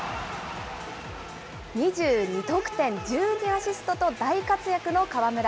２２得点１２アシストと大活躍の河村。